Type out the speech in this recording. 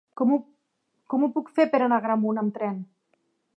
Com ho puc fer per anar a Agramunt amb tren?